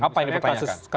apa yang dipertanyakan